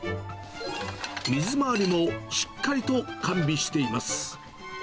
水回りもしっかりと完備しています。